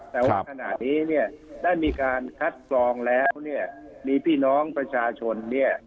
แต่ว่าขณะนี้เนี่ยได้มีการคัดกรองแล้วเนี่ยมีพี่น้องประชาชนเนี่ย